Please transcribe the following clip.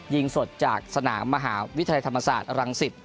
ยิงสดจากสนามมหาวิทยาธรรมศาสตร์อลังศิษย์